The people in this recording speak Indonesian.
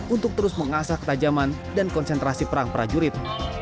untuk terus mengasah ketajaman dan konsentrasi perang prajurit